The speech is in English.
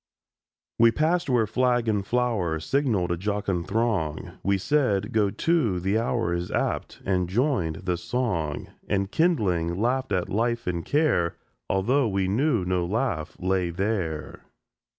WE passed where flag and flower Signalled a jocund throng; We said: "Go to, the hour Is apt!"—and joined the song; And, kindling, laughed at life and care, Although we knew no laugh lay there.